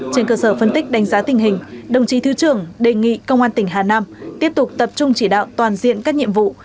trên cơ sở phân tích đánh giá tình hình đồng chí thứ trưởng đề nghị công an tỉnh hà nam tiếp tục tập trung chỉ đạo toàn diện các nhiệm vụ